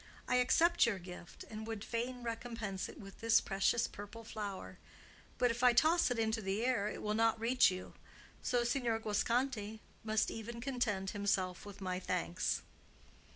"I accept your gift, and would fain recompense it with this precious purple flower; but if I toss it into the air it will not reach you. So Signor Guasconti must even content himself with my thanks."